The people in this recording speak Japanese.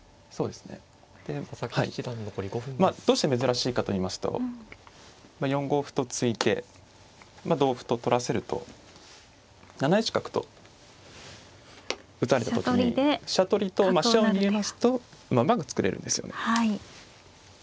ではいまあどうして珍しいかといいますと４五歩と突いて同歩と取らせると７一角と打たれた時に飛車取りとまあ飛車を逃げますと馬が作れるんですよね。